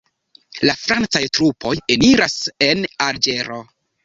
La francaj trupoj eniras en Alĝero.